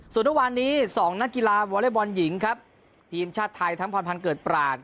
ส่วนเมื่อวานนี้สองนักกีฬาวอเล็กบอลหญิงครับทีมชาติไทยทั้งพรพันธ์เกิดปราศ